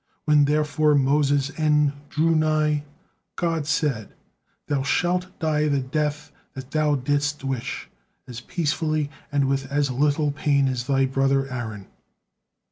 When therefore Moses' end drew nigh, God said: "Thou shalt die the death that thou didst wish, as peacefully and with as little pain as thy brother Aaron."